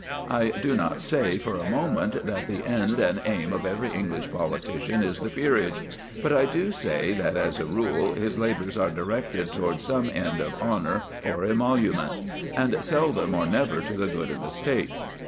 I do not say for a moment that the end and aim of every English politician is the peerage; but I do say that, as a rule, his labours are directed towards some end of honour or emolument, and seldom or never to the good of the State.